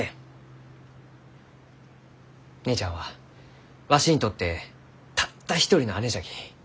姉ちゃんはわしにとってたった一人の姉じゃき。